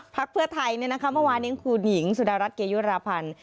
ภักดิ์เพื่อไทยเนี่ยนะคะเมื่อวานเนี่ยคุณหญิงสุดารัสเกยุราพันธ์